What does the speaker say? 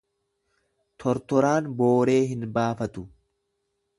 Tortoraan booree hin baafatu